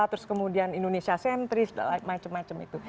terus kemudian indonesia sentris dan macam macam itu